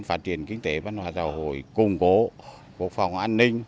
phát triển kinh tế văn hóa giao hội cung cố phục phòng an ninh